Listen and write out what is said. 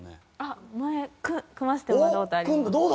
前組ませてもらった事あります。